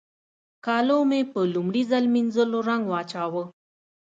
کالو مې په لومړي ځل مينځول رنګ واچاوو.